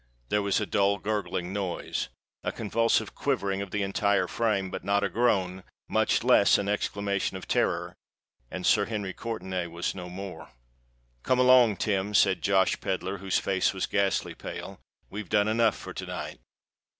There was a dull, gurgling noise—a convulsive quivering of the entire frame,—but not a groan—much less an exclamation of terror,—and Sir Henry Courtenay was no more! "Come along, Tim," said Josh Pedler, whose face was ghastly pale. "We've done enough for to night."